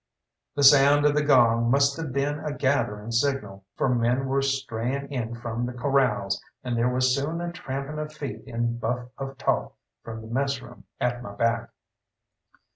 The sound of the gong must have been a gathering signal, for men were straying in from the corrals, and there was soon a tramping of feet and buff of talk from the messroom at my back.